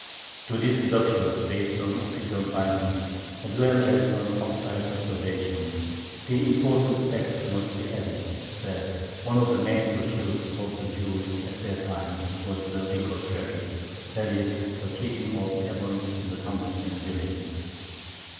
To these deductions, based on official findings, as well as on outside observation, the important fact must be added that one of the main pursuits of the Jews at that time was the liquor traffic, that is, the keeping of taverns in the towns and villages.